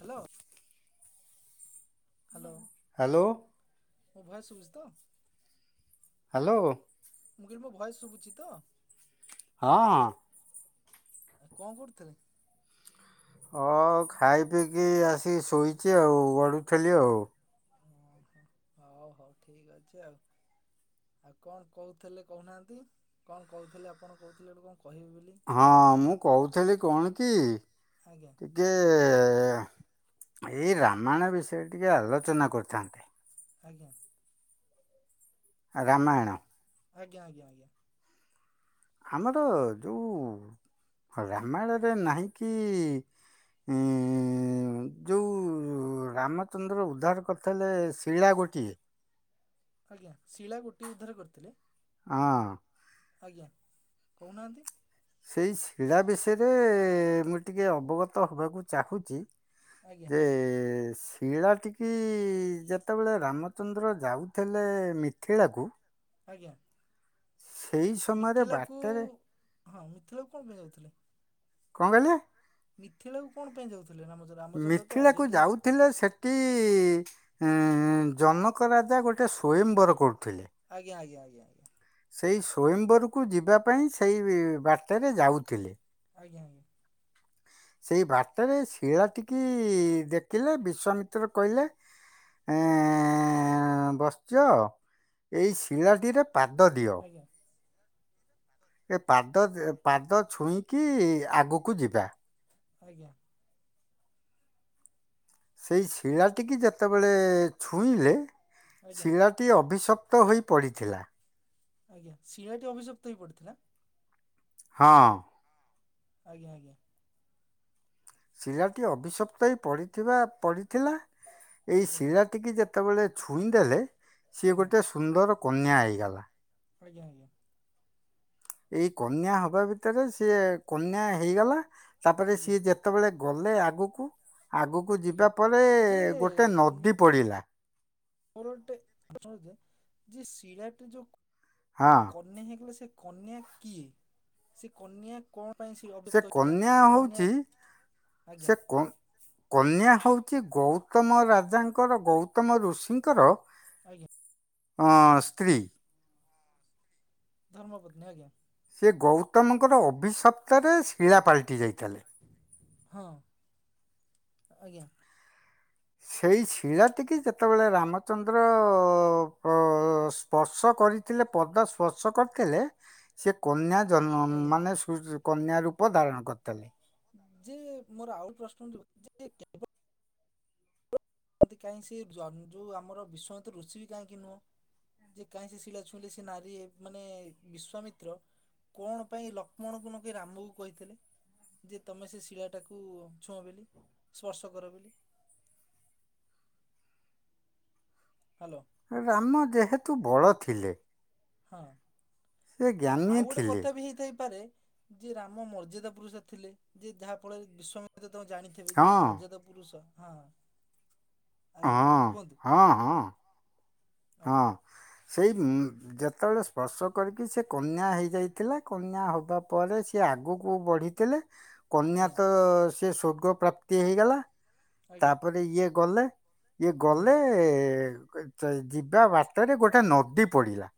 Hello. Hello hello ମୋ voice ସୁବୁଚି ତ? ହ୍ୟାଲୋ। ମୁଁ କହିଲି ମୋ ଭଏସ୍ ଶୁଭୁଚି ତ? ହଁ। ଆ କଣ କରୁଥିଲେ? ହଁ ଖାଇ ପିଇକି ଆସିକି ଶୋଇଚି ଆଉ ଗଡ଼ୁଥିଲି ଆଉ। ଓହୋ ହଉ ହଉ ଠିକ ଅଛି ଆଉ। ଆଉ କଣ କହୁଥିଲେ କହୁନାହାନ୍ତି କଣ କହୁଥିଲେ ଆପଣ କହୁଥିଲେ ଗୋଟେ କଣ କହିବେ ବୋଲି। ହଁ କୁହନ୍ତୁ ତ ମୁଁ କହୁଥେଲି କଣ କି ଆଜ୍ଞା ଯେ ଏଇ ରାମାୟଣ ବିଷୟରେ ଟିକେ ଆଲୋଚନା କରିଥାନ୍ତେ। ଆଜ୍ଞା। ଆ ରାମାୟଣ। ଆଜ୍ଞା ଆଜ୍ଞା ଆଜ୍ଞା। ଆମର ଯୋଉ ରାମାୟଣରେ ନାହିଁକି ଇଁ ଯୋଉ ରାମଚନ୍ଦ୍ର ଉଦ୍ଧାର କରିଥେଲେ ଶିଳା ଗୋଟିଏ। ଆଜ୍ଞା ଶିଳା ଗୋଟିଏ ଉଦ୍ଧାର କରିଥିଲେ। ହଁ। ଆଜ୍ଞା କହୁନାହାନ୍ତି। ସେଇ ଶିଳା ବିଷୟରେ ମୁଁ ଟିକେ ଅବଗତ ହବାକୁ ଚାହୁଁଚି। ଆଜ୍ଞା ଯେ ସ୍ ଶିଳା ଟିକି ଯେତେବେଳେ ରାମଚନ୍ଦ୍ର ଯାଉଥିଲେ ମିଥିଳାକୁ। ଆଜ୍ଞା। ସେଇ ସମୟରେ ମିଥିଳାକୁ ବାଟରେ ହଁ ମିଥିଳାକୁ କଣ ପାଇଁ ଯାଉଥିଲେ? କଣ କହିଲେ? ମିଥିଳାକୁ କଣ ପାଇଁ ଯାଉଥିଲେ ରାମଚ ମିଥିଳାକୁ ଯାଉଥିଲେ ସେ ଟି ଏଁ ଜନକ ରାଜା ଗୋଟେ ସ୍ଵୟମ୍ବର କରୁଥିଲେ। ଆଜ୍ଞା ଆଜ୍ଞା ଆଜ୍ଞା ଆଜ୍ଞା। ସେଇ ସ୍ଵୟମ୍ବରକୁ ଯିବା ପାଇଁ ସେଇ ବାଟରେ ଯାଉଥିଲେ। ଆଜ୍ଞା ଆଜ୍ଞା। ସେଇ ବାଟରେ ଶିଳା ଟିକି ଦେଖିଲେ। ବିଶ୍ଵାମିତ୍ର କହିଲେ ଏଁ ବଚ୍ସ୍ୟ ଏଇ ଶିଳାଟିରେ ପାଦ ଦିଅ। [inaudible] ଏ ପାଦ, ଯେ ପାଦ ଛୁଇଁକି ଆଗକୁ ଯିବା। ଆଜ୍ଞା। ସେଇ ଶିଳାଟିିକି ଯେତେବେଳେ ଛୁଇଁଲେ, ଆଜ୍ଞା ଶିଳା ଟି ଅଭିଶପ୍ତ ହୋଇ ପଡ଼ିଥିଲା। ଆଜ୍ଞା। ଶିଳାଟି ଅଭିସପ୍ତ ହୋଇ ପଡ଼ିଥିଲା? ହଁ। ଆଜ୍ଞା ଆଜ୍ଞା। ଶିଳାଟି ଅଭିିଶପ୍ତ ହେଇ ପଡିଥିବା, ପଡିଥିଲା ଏଇ ଆଜ୍ଞା ଶିଳାଟି କି ଯେତେ ଯେତେବେଳେ ଛୁଇଁଦେଲେ, ସିଏ ଆଜ୍ଞା ଗୋଟେ ସୁନ୍ଦର କନ୍ୟା ହେଇଗଲା। ଆଜ୍ଞା ଆଜ୍ଞା। ଏଇ କନ୍ୟା ହବା ଭିତରେ ସିଏ କନ୍ୟା ହେଇଗଲା ତାପରେ ଆଜ୍ଞା ସିଏ ଯେତ ଯେତେବେଳେ ଗଲେ ଆଗକୁ, ଆଗକୁ ଆଜ୍ଞା ଯିବା ପରେ ଯେ ଗୋଟେ ନଦୀ ପଡିଲା। ମୋର ଗୋଟେ ପ୍ରଶ୍ନଟେ ଯେ ସିଳା ଟେ ଯୋଉ ହଁ। କନ୍ୟା ହେଇଗଲେ ସେ କନ୍ୟା କିଏ? ସେ କନ୍ୟା କଣ ପାଇଁ ସେ ଅଭିସପ୍ତ ହେଇଥିଲା? କନ୍ୟା ସେ କନ୍ୟା ହେଉଛି ସେ ଆଜ୍ଞା। କ କନ୍ୟା ହଉଛି ଗୌତମ ରାଜାଙ୍କର, ଗୌତମ ଋଷିଙ୍କର ଆଜ୍ଞା। ଆଁ ସ୍ତ୍ରୀ। ଧର୍ମ ପତ୍ନୀ। ଆଜ୍ଞା। ସେ ଗୌତମଙ୍କର ଅଭିଶପ୍ତରେ ଶିଳାପାଲଟି ଯାଇଥାଏ। ହଁ, ଆଜ୍ଞା। ସେଇ ଶିଳାଟିିକି ଯେତେବେଳେ ରାମଚନ୍ଦ୍ର ପ୍ର ସ୍ପର୍ଶ କରିଥିଲେ ପଦ ସ୍ପର୍ଶ କରିଥିଲେ ସେ କନ୍ୟା ଜନ୍ମ ଆଜ୍ଞା ମାନେ ସ୍ୱ କନ୍ୟା ରୂପ ଧାରଣ କରିଥିଲେ। ଯେ ମୋର ଆଉ ପ୍ରଶ୍ନ [unintelligible] ସେ କାହିଁ ସେ ଯୋଉ ଆମର ବିଶ୍ୱାମିତ୍ର ଋଷି ବି କାହିଁକି ନୁହଁ? ଯେ କାହିଁ ସେ ଶିଳା ଛୁଇଁଲେ ସେ ନାରୀ ମାନେ ବିଶ୍ଵାମିତ୍ର କଣ ପାଇଁ ଲକ୍ଷ୍ମଣ କୁ ନ କହି ରାମକୁ କହିଥିଲେ? ଯେ ତୁମେ ସେ ଶିଳାଟାକୁ ଛୁଅଁ ବୋଲି। ସ୍ପର୍ଶ କର ବୋଲି। ହାଲୋ। ରାମ ଯେହେତୁ ବଡ ଥିଲେ ହଁ, ସେ ଜ୍ଞାନୀ ଆଉ ଗୋଟେ ଥିଲେ କଥା ବି ହେଇଥାଇପାରେ ଯେ ରାମ ମର୍ଯ୍ୟାଦା ପୁରୁଷ ଥିଲେ, ଯେ ଯାହା ଫଳରେ ବିଶ୍ୱାମିତ୍ର ତାଙ୍କୁ ଜାଣିଥ୍ଵଲେ। ତେବେ ହଁ ଯେ ଏ ମର୍ଯ୍ୟାଦା ପୁରୁଷ। ହଁ ଆଜ୍ଞା ହଁ କୁହନ୍ତୁ -ହଁ ହଁ ଆଜ୍ଞା -ହଁ ସେଇ ଯେତେବେଳେ ସ୍ପର୍ଶ କରିକି ସେ କନ୍ୟା ହେଇଯାଇଥିଲା, କନ୍ୟା ହବା ପରେ ସିଏ ଆଗକୁ ବଢ଼ି ଥିଲେ। କନ୍ୟା ଆଜ୍ଞା ତ ସେ ସ୍ୱର୍ଗ ପ୍ରାପ୍ତି ହେଇଗଲା, ଆଜ୍ଞା ତାପରେ ଇଏ ଗଲେ। ଇଏ ଆଜ୍ଞା ଗଲେ। ଜ ଯିବା ବାଟରେ ଗୋଟେ ନଦୀ ପଡ଼ିଲା।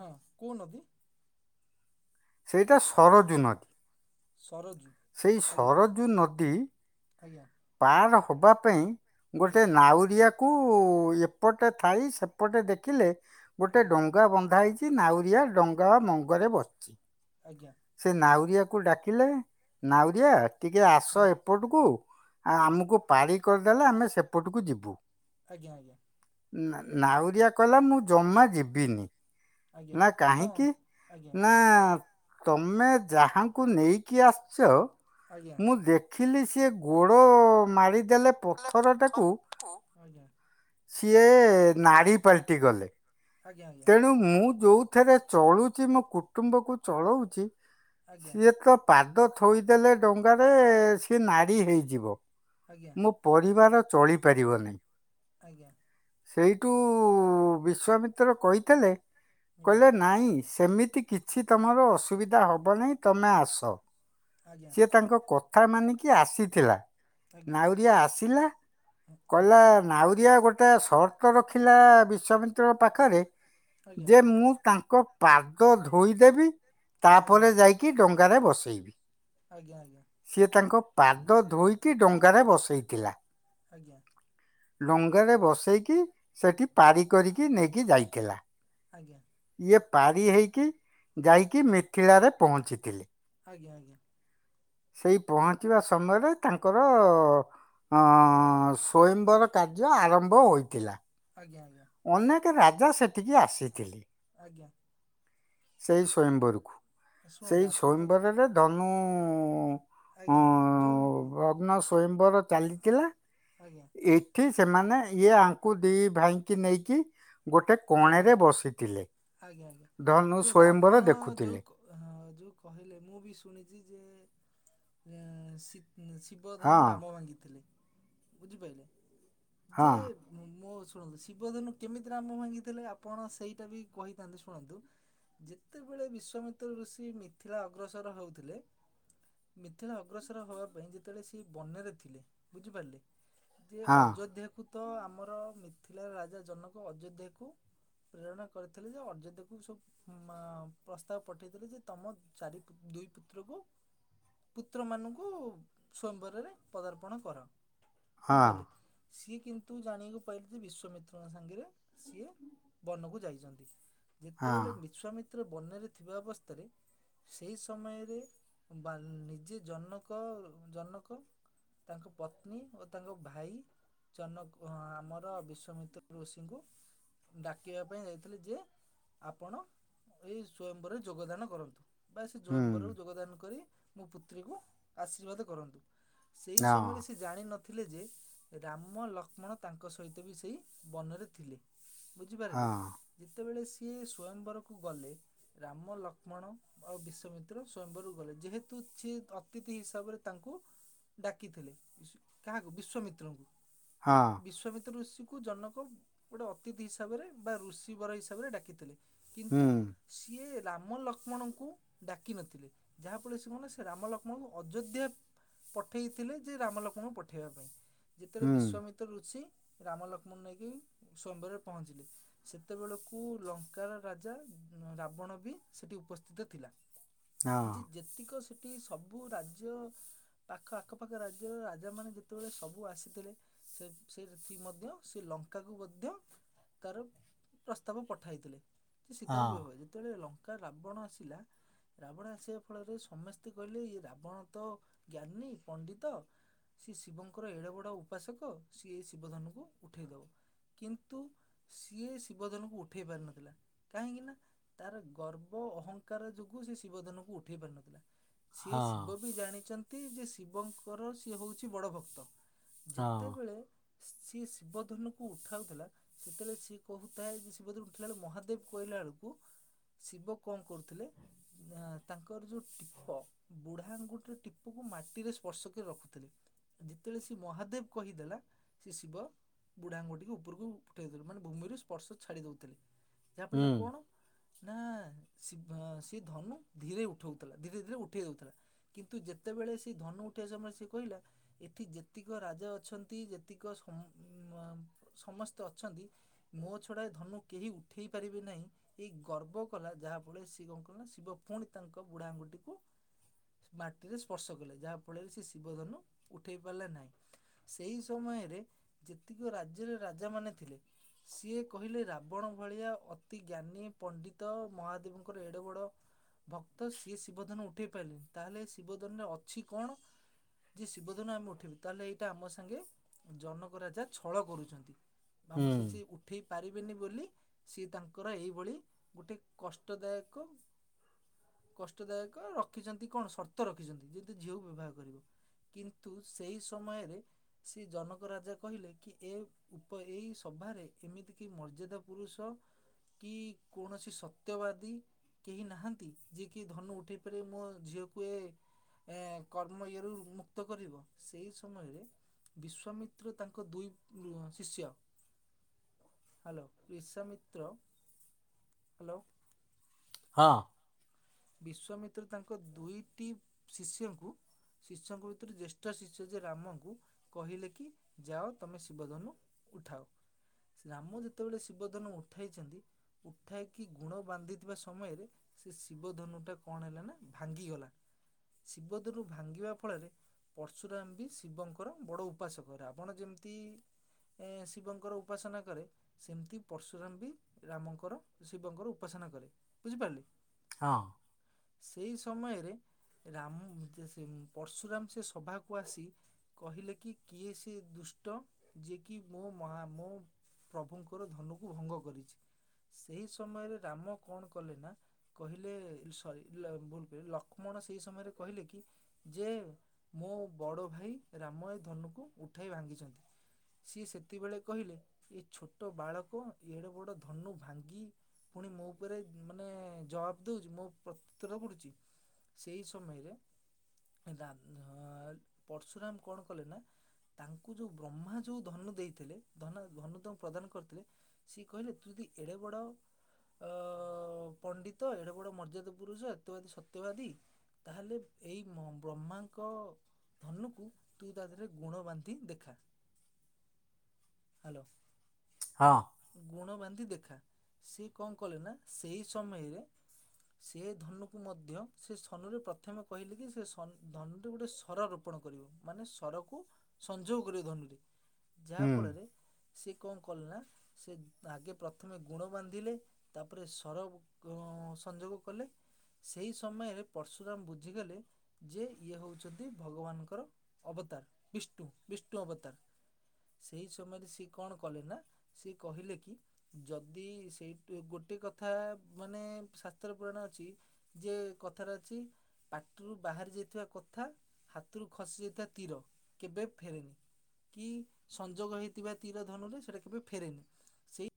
ହଁ କୋଉ ନଦୀ? ସେଇଟା ସରଜୁ ନଦୀ। ସରଜୁ! ସେଇ ସରଜୁ ନଦୀ ଆଜ୍ଞା! ପାର ହବା ପାଇଁ ଗୋଟେ ଆଜ୍ଞା ନାଉରିଆ କୁ ଏପଟେ ଥାଇ ସେପଟେ ଦେଖିଲେ ଗୋଟେ ଡଙ୍ଗା ଆଜ୍ଞା ଡଙ୍ଗା ବନ୍ଧା ହେଇଛି ନାଉରିଆ ଡଙ୍ଗା ମଙ୍ଗରେ ବସିଛି। ଆଜ୍ଞା। ସେ ନାଉରିଆକୁ ଡାକିଲେ ନାଉରିଆ ଟିକେ ଆସ ହଁ ଏପଟକୁ ଆ ଆଜ୍ଞା ଆମକୁ ପାରି କରିଦେଲେ ଆମେ ସେପଟକୁ ଯିବୁ। ଆଜ୍ଞା, ଆଜ୍ଞା। ନାଉରିଆ କହିଲା ମୁଁ ଜମା ଯିବିନି। ଆଜ୍ଞା ନା କଣ କାହିଁକି? ଆଜ୍ଞା ନା ତମେ ଯାହାଙ୍କୁ ନେଇକି ଆସିଛ, ଆଜ୍ଞା ମୁଁ ଦେଖ ଦେଖିଲି ସିଏ ଗୋଡ଼ ମାରିଦେଲେ ଲେ ପଥରଟାକୁ ପଥରକୁ ଆଜ୍ଞଆ ଆଜ୍ଞା। ସିଏ ନାରୀ ପାଲଟି ଗଲେ। ଆଜ୍ଞା, ଆଜ୍ଞା। କିନ୍ତୁ ମୁଁ ଯୋଉଥିରେ ଚଳୁଛି ମୋ କୁଟୁମ୍ବକୁ ଚଳଉଛି, ଆଜ୍ଞା ସିଏ ତ ପାଦ ଥୋଇଦେଲେ ଡଙ୍ଗାରେ ସିଏ ନାରି ହେଇଯିବ। ଆଜ୍ଞା। ମୋ ପରିବାର ଚଳିପାରିବ ନାହିଁ। ଆଜ୍ଞା ସେଇଠୁ ବିଶ୍ଵାମିତ୍ର କହିଥିଲେ କହିଲେ ନାଇଁ ସେମିତି କିଛି ତମର ଅସୁବିଧା ହେବନହିଁ ତମେ ଆସ। ଆଜ୍ଞା ଆଜ୍ଞା ସିଏ ତାଙ୍କ କଥା ମାନିକି ଆସିଥିଲା। ଆଜ୍ଞା ନାଉରିଆ ଆସିଲା, ଆଜ୍ଞା ଆଜ୍ଞା କହିଲା ନାଉରିଆ ଗୋଟେ ଗୋଟେ ସର୍ତ ରଖିଲା ବିଶ୍ୱାମିତ୍ର ପାଖରେ ଯେ ମୁଁ ତାଙ୍କ ପାଦ ଧୋଇଦେବି। ଆଜ୍ଞା ତାପରେ ଯାଇକି ଡଙ୍ଗାରେ ବସେଇବି। ଆଜ୍ଞା, ଆଜ୍ଞା। ସିଏ ତାଙ୍କ ପାଦ ଧୋଇକି ଡଙ୍ଗାରେ ବସେଇଥିଲା। ଆଜ୍ଞା! ଡଙ୍ଗା ରେ ବସେଇକି ସେଠି ପାରି କରିକି ନେଇକି ଯାଇଥିଲା। ଆଜ୍ଞା। ଇଏ ପାରି ହେଇକି ଯାଇକି ମିଥିଳାରେ ପହଞ୍ଚିଥିଲେ। ଆଜ୍ଞା ଆଜ୍ଞା। ସେଇ ପହଞ୍ଚିବା ସମୟରେ ତାଙ୍କର ହଁ ହଁ ଅ ସ୍ଵୟମ୍ବର କାର୍ଯ୍ୟ ଆରମ୍ଭ ହୋଇଥିଲା। ଆଜ୍ଞା, ଆଜ୍ଞା। ଅନେକ ରାଜା ସେଠିକି ଆସିଥିଲେ। ଆଜ୍ଞା। ସେଇ ସ୍ଵୟମ୍ବରକୁ। ଶୁଣନ୍ତୁ ସେଇ ଆପଣ ତ ସ୍ଵୟମ୍ବରରେ ଧନୁ ହଁ ଆଜ୍ଞା ଆଜ୍ଞା ଯୋଉ ଲଗନ ସ୍ବୟମ୍ବର ଚାଲିଥିଲା, ଆଜ୍ଞା ଏ ଏଠି ସେମାନେ ଇଏ ଆଙ୍କୁ ଦିଇ ଭାଇଙ୍କି ନେଇକି ଗୋଟେ ଆଜ୍ଞା କଣରେ ବସିଥିଲେ। ଆଜ୍ଞା। ଧନୁ ଶୁଣନ୍ତୁ ସ୍ଵୟଂବର ଆପଣ ଯଉ ଦେଖୁଥିଲେ। ହଁ, ଯୋଉ କହିଲେ ମୁଁ ବି ଶୁଣିଛି ଯେ ସି୍ ସି୍ ହଁ ଶିବଧନୁ ରାମ ଭାଙ୍ଗିଥିଲେ। ବୁଝିପାରିଲେ, ହଁ ଯେ ମୋ ଶୁଣନ୍ତୁ ଶିବ ଧନୁ କେମିତି ରାମ ଭାଙ୍ଗିଥିଲେ? ଆପଣ ସେଇଟା ବି କହିଥାନ୍ତେ ଶୁଣନ୍ତୁ। ଯେତେବେଳେ ବିଶ୍ଵାମିତ୍ର ଋଷି ମିଥିଳା ଅଗ୍ରସର ହଉଥିଲେ, ମିଥିଳା ଅଗ୍ରସର ହବା ପାଇଁ ଯେତେବେଳେ ସିଏ ବନରେ ଥିଲେ, ବୁଝିପାରିଲେ। ଯେ ହଁ ଅଯୋଧ୍ୟାକୁ ତ ଆମର ମିଥିଳା ରାଜା ଜନକ ଅଯୋଧ୍ୟାକୁ, ପ୍ରେରଣା କରିଥିଲେ ଯେ, ଅଯୋଧ୍ୟାକୁ ସବୁ, ମାମ୍ ପ୍ରସ୍ତାବ ପଠେଇଥିଲେ ଯେ, ତମ ଚାରି ଦୁଇ ପୁତ୍ରକୁ। ପୁତ୍ରମାନଙ୍କୁ ସୟମ୍ବରରେ ପଦାର୍ପଣ କର। ହଁ ବୁଝିପାରିଲେ। ସିଏ କିନ୍ତୁ ଜାଣିବାକୁ ପାଇଲେ ଯେ, ବିଶ୍ଵାମିତ୍ରଙ୍କ ସାଙ୍ଗରେ ସିଏ, ବନକୁ ଯାଇଛନ୍ତି। ହଁ। ଯେତେବେଳେ ବିଶ୍ୱାମିତ୍ର ବନରେ ଥିବା ଅବସ୍ଥାରେ, ସେଇ ସମୟରେ ବା ନିଜେ ଜନକ ଜନକ, ତାଙ୍କ ପତ୍ନୀ ଓ ତାଙ୍କ ଭାଇ, ଜନକ ଆମର ବିଶ୍ୱାମିତ୍ର ଋଷିଙ୍କୁ, ଡାକିବା ପାଇଁ ଯାଇଥିଲେି ଯେ, ଆପଣ ଏଇ ସ୍ଵୟମ୍ବରରେ ଯୋଗଦାନ କରନ୍ତୁ। ବାସ୍ ଜୁୟମ୍ବରକୁ ଯୋଗଦାନ କରି, ମୋ ପୁତ୍ରୀକୁ ଆଶୀର୍ବାଦ କରନ୍ତୁ। ସେଇ ସମୟରେ ସେ, ଜାଣିନଥିଲେ ଯେ, ରାମ ଲକ୍ଷ୍ମଣ ତାଙ୍କ ସହିତ ବି ସେଇ ବନରେ ଥିଲେ। ବୁଝିପାରିଲେ। ଯେତେବେଳେ ସିଏ ସ୍ଵୟମ୍ବରକୁ ଗଲେ, ରାମ ଲକ୍ଷ୍ମଣ, ଆଉ ବିଶ୍ଵାମିତ୍ର ସ୍ଵୟମ୍ବରକୁ ଗଲେ। ଯେହେତୁ ସେ ଅତିଥି ହିସାବରେ ତାଙ୍କୁ, ଡାକିଥିଲେ। ବିଶ କାହାକୁ ବିଶ୍ଵାମିତ୍ରଙ୍କୁ। ହଁ। ବିଶ୍ୱାମିତ୍ର ଋଷିକୁ ଜନକ, ଗୋଟେ ଅତିଥି ହିସାବରେ ବା ଋଷି ବର ହିସାବରେ ଡାକିଥିଲେ। କିନ୍ତୁ, ସିଏ ରାମ ଲକ୍ଷ୍ମଣଙ୍କୁ ଡାକିନଥିଲେ। ଯାହାଫଳରେ, ସେ କଣ ହେଲା ସେ ରାମ ଲକ୍ଷ୍ମଣଙ୍କୁ ଅଯୋଧ୍ୟା, ପଠେଇଥିଲେ ଯେ ରାମ ଲକ୍ଷ୍ମଣଙ୍କୁ ପଠେଇବା ପାଇଁ। ଯେତେବେଳେ, ବିଶ୍ଵାମିତ୍ର ଋଷି ରାମ ଲକ୍ଷ୍ମଣ ନେଇକି ସ୍ୱୟମ୍ବରରେ ପହଞ୍ଚିଥିଲେ। ସେତେବେଳକୁ ଲଙ୍କାର ରାଜା ରାବଣ ବି ସେଠି ଉପସ୍ଥିତ ଥିଲା। ଯେ, ଯେତିକ ସେଠି ସବୁ ରାଜ୍ୟ ପାଖ ଆଖପାଖ ରାଜ୍ୟର ରାଜା ମାନେ, ଯେତେବେଳେ ସବୁ ଆସିଥିଲେ। ସେ ସେଇ ସେତି ମଧ୍ୟ ସେ ଲଙ୍କା କୁ ମଧ୍ୟ, ତାର ପ୍ରସ୍ତାବ ପଠାଇଥିଲେ, ସୀତାଙ୍କୁ ବିବା। ଯେତେବେଳେ ଲଙ୍କା ରାବଣ ଆସିଲା, ରାବଣ ଆସିବା ଫଳରେ, ସମସ୍ତେ କହିଲେ ଏ ରାବଣ ତ ଜ୍ଞାନୀ ପଣ୍ଡିତ। ସିଏ ଶିବଙ୍କର ଏଡ଼େ ବଡ଼ ଉପାସକ, ସିଏ ଏହି ଶିବଧନୁକୁ ଉଠାଇଦବ। କିନ୍ତୁ, ସିଏ, ଏ ଶିବଧନୁକୁ ଉଠେଇ ପାରିନଥିଲା। କାହିଁକି ନା, ତାର ଗର୍ବ ଅହଂଙ୍କାର ଯୋଗୁ ସେ ଶିବଧନୁକୁ ଉଠେଇ ପାରିନଥିଲା। ସିଏ ଶିବ ବି ଜାଣିଛନ୍ତି, ଯେ ଶିବଙ୍କର ସିଏ ହଉଛି ବଡ ଭକ୍ତ। ଯେତେବେଳେ, ସିଏ ଶିବଧନୁକୁ ଉଠାଉଥିଲା। ଯେତେବେଳେ ସିଏ କହୁଥାଏ। ଯେ ଶିବଧନୁ ଉଠିଲା ବେଳେ ମହାଦେବ କହିଲା ବେଳକୁ, ଶିବ କଣ କରୁଥିଲେ? ନା ତାଙ୍କର ଯୋଉ ଟିପ, ବୁଢା ଆଙ୍ଗୁଠିର ଟିପକୁ ମାଟିରେ ସ୍ପର୍ଶ କରି ରଖୁଥିଲେ। ଯେତେବେଳେ ସେ ମହାଦେବ କହିଦେଲା। ସେ ଶିବ ବୁଢ଼ା ଆଙ୍ଗୁଟିକୁ ଉପରକୁ, ଉଠେଇ ଦଉଥିଲେ, ମାନେ ଭୂମିରୁ ସ୍ପର୍ଶ ଛାଡି ଦଉଥିଲେ। ଯାହାଫଳରେ କଣ? ନା ଆଁ ଶିବ ସେ ଧନୁ ଧୀରେ ଉଠଉଥିଲା, ଧୀରେ ଧୀରେ ଉଠେଇ ଦଉଥିଲା। କିନ୍ତୁ ଯେତେବେଳେ ସେ ଧନୁ ଉଠିବା ସମୟରେ ସେ କହିଲା ଏଠି ଯେତିକ ରାଜା ଅଛନ୍ତି ଯେତିକ ମ ସମସ୍ତେ ଅଛନ୍ତି ମୋ ଛଡ଼ା ଧନୁକୁ କେହି ଉଠାଇ ପାରିବେ ନାହିଁ ଏଇ ଗର୍ବ କଲା ଯାହାଫଳରେ ସିଏ କଣ କ ନା ଶିବ ପୁଣି ତାଙ୍କ ବୁଢ଼ା ଆଙ୍ଗୁଠିକୁ ମାଟିରେ ସ୍ପର୍ଶ କଲେ ଯାହା ଫଳରେ ସେ ଶିବ ଧନୁ ଉଠେଇ ପାରିଲେ ନାଇଁ ସେଇ ସମୟରେ ଯେତିକି ରାଜ୍ୟରେ ରାଜା ମାନେ ଥିଲେ ସିଏ କହିଲେ ରାବଣ ଭଳିଆ ଅତି ଜ୍ଞାନୀ ପଣ୍ଡିତ ମହାଦେବଙ୍କର ଏଡ଼େ ବଡ଼ ଭକ୍ତ ସିଏ ଶିବଧନୁ ଉଠେଇ ପାରିଲେନି, ତାହେଲେ ଏ ଶିବଧନୁରେ ଅଛି କଣ ଯିଏ ଶିବଧନୁ ଆମେ ଉଠେଇବୁ ତାହେଲେ ଏଇଟା ଆମ ସାଙ୍ଗେ ଜନକ ରାଜା ଛଳ କରୁଛନ୍ତି। ବାମ ସେଇ ଚି ଉଠ ଉଠେଇ ପାରିବେନି ବୋଲି ସିଏ ତାଙ୍କର ଏହିଭଳି ଗୋଟେ କଷ୍ଟଦାୟକ କଷ୍ଟଦାୟକ ରଖିଛନ୍ତି କଣ ସର୍ତ୍ତ ରଖିଛନ୍ତି ଯେନ୍ତି ଝିଅକୁ ବିବାହ କରିବ। କିନ୍ତୁ ସେଇ ସମୟରେ ସେ ଜନକ ରାଜା କହିଲେ କି ଏ ଉପ ଏଇ ସଭାରେ ଏମିତି କି ମର୍ଯଦା ପୁରୁଷ କି କୌଣସି ସତ୍ୟବାଦୀ କେହି ନାହାନ୍ତି ଯିଏ କି ଧନୁ ଉଠେଇ ପାରିବ ମୋ ଝିଅକୁ ଏ ଏ କର୍ମ ୟଏ ର ମୁକ୍ତ କରିବ ସେଇ ସମୟରେ ବିଶ୍ଵାମିତ୍ର ତାଙ୍କ ଦୁଇ ଉଁ ଶିଷ୍ୟ ହ୍ୟାଲୋ। ବିଶ୍ଵାମିତ୍ର ହ୍ୟାଲୋ। ହଁ। ବିଶ୍ଵାମିତ୍ର ତାଙ୍କ ଦୁଇଟି ଶିଷ୍ୟଙ୍କୁ ଶିଷ୍ୟଙ୍କ ଭିତରେ ଜ୍ୟେଷ୍ଠ ଶିଷ୍ୟ ଯେ ରାମଙ୍କୁ କହିଲେ କି ଯାଅ ତମେ ଶିବଧନୁ ଉଠାଅ। ରାମ ଯେତେବେଳେ ଶିବଧନୁ ଉଠେଇଚନ୍ତି ଉଠାଇକି ଗୁଣ ବାନ୍ଧିଥିବା ସମୟରେ ସେ ଶିବ ଧନୁ ଟା କଣ ହେଲା ନା ଭାଙ୍ଗିଗଲା ଶିବ ଧନୁ ଭାଙ୍ଗିବା ଫଳରେ ପରର୍ଶୁରାମ ବି ଶିବଙ୍କର ବଡ଼ ଉପାସକ ରାବଣ ଯେମିତି ଏ ଶିବଙ୍କର ଉପାସନା କରେ ସେମିତି ପରର୍ଶୁରାମ ବି ରାମଙ୍କର ଶିବଙ୍କର ଉପାସନା କରେ ବୁଝିପାରିଲେ। ହଁ। ସେଇ ସମୟରେ ରାମ ସେ ପର୍ଶୁରାମ ସେ ସଭାକୁ ଆସି କହିଲେ କି କିଏ ସେ ଦୁଷ୍ଟ ଯିଏକି ମୋ ମହା ମୋ ପ୍ରଭୁଙ୍କର ଧନୁକୁ ଭଙ୍ଗ କରିଛି ସେଇ ସମୟରେ ରାମ କଣ କଲେ ନା ଲେ ସରି ଭୁଲ କହିଲି ଲକ୍ଷ୍ମଣ ସେଇ ସମୟରେ କହିଲେ କି ଯେ ମୋ ବଡ଼ ଭାଇ ରାମ ଏ ଧନୁକୁ ଉଠାଇ ଭାଙ୍ଗିଛନ୍ତି। ସିଏ ସେତେବେଳେ କହିଲେ ଏ ଛୋଟ ବାଳକ ଏଡେ ବଡ ଧନୁ ଭାଙ୍ଗି ପୁଣି ମୋ ଉପରେ ମାନେ ଦଉଚି ମୁଁ ପତ୍ର ପଡୁଚି ସେଇ ସମୟରେ ଦାନ ପର୍ଶୁରାମ କଣ କଲେ ନା ତାଙ୍କୁ ଯୋଉ ବ୍ରହ୍ମା ଯୋଉ ଧନୁ ଦେଇଥିଲେ ଧନ ଧନୁ ତାଙ୍କୁ ପ୍ରଦାନ କରିଥିଲେ ସିଏ କହିଲେ ତୁ ଯଦି ଏଡେ ବଡ଼ ଅ ପଣ୍ଡି ତ ଏଡ଼େ ବଡ ମର୍ଯ୍ୟାଦା ପୁରୁଷ ଏତେ ବାଦୀ ସତ୍ୟବାଦୀ ତାହେଲେ ଏଇ ବ୍ରହ୍ମାଙ୍କ ଧନୁକୁ ତୁ ତାଦେହରେ ଗୁଣ ବାନ୍ଧି ଦେଖା। ହ୍ୟାଲୋ। ହଁ। ଗୁଣ ବାନ୍ଧି ଦେଖା ସିଏ କଣ କଲେ ନା ସେଇ ସମୟରେ ସେ ଧନୁକୁ ମଧ୍ୟ ସେ ସନୁରେ ପ୍ରଥମେ କହିଲେ କି ସେ ସନ ଧନୁରେ ଗୋଟେ ସର ରୂପ ରୂପଣ କରିବ ମାନେ ସରକୁ ସଂଯୋଗ କରିବ ଧନୁରେ। ଯାହାଫଳରେ ସେ କଣ କଲେ ନା ସେଗେ ଆଗେ ପ୍ରଥମେ ଗୁଣ ବାନ୍ଧିଲେ। ତାପରେ ସର ଗୋଂ ସଂଯୋଗ କଲେ। ସେଇ ସମୟରେ ପରର୍ଶୁରାମ ବୁଝିଗଲେ ଯେ ଇଏ ହଉଛନ୍ତି ଭଗବାନଙ୍କର ଅବତାର ବିଷ୍ଣୁ ବିଷ୍ଣୁ ଅବତାର ସେହି ସମୟରେ ସିଏ କଣ କଲେ ନା ସିଏ କହିଲେ କି? ଯଦି ସେଇଠୁ ଗୋଟେ କଥା ମାନେ ଶାସ୍ତ୍ର ପୁରାଣ ଅଛି ଯିଏ କଥାରେ ଅଛି ପାଟିରୁ ବାହାରି ଯାଇଥିବା କଥା ହାତରୁ ଖସି ଯାଇଥିବା ତୀର କେବେ ଫେରେନି। କି ସଂଯୋଗ ହେଇଥିବା ତୀର ଧନୁରେ ସେଇଟା କେବେ ଫେରେନି। ସେଇ